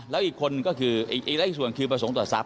แล้วอีกส่วนคือประสงค์ต่อทรัพย์